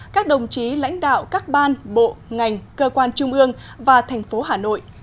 các đồng chí lãnh đạo các ban bộ ngành cơ quan trung ương và thành phố hà nội